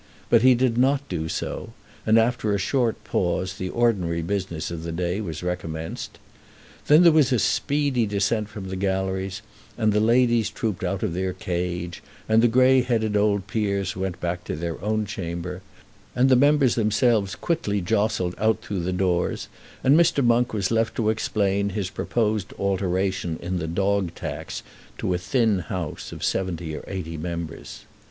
But he did not do so, and after a short pause the ordinary business of the day was recommenced. Then there was a speedy descent from the galleries, and the ladies trooped out of their cage, and the grey headed old peers went back to their own chamber, and the members themselves quickly jostled out through the doors, and Mr. Monk was left to explain his proposed alteration in the dog tax to a thin House of seventy or eighty members.